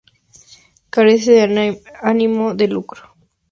Carece de ánimo de lucro.